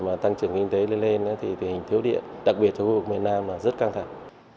mà tăng trưởng kinh tế lên lên thì tình hình thiếu điện đặc biệt thu hút miền nam là rất căng thẳng